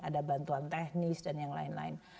ada bantuan teknis dan yang lain lain